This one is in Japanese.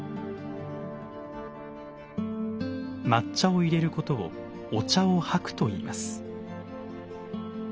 抹茶を入れることを「お茶を掃く」といいます。